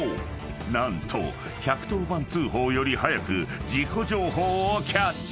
［何と１１０番通報より早く事故情報をキャッチ］